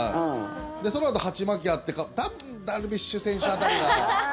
そのあと鉢巻きあって多分、ダルビッシュ選手辺りが。